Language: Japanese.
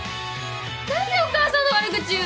何でお母さんの悪口言うの？